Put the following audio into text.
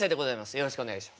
よろしくお願いします。